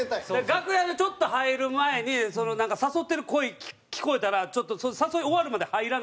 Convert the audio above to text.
楽屋にちょっと入る前に誘ってる声聞こえたら誘い終わるまで入らない。